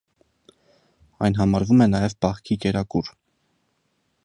Այն համարվում է նաև պահքի կերակուր։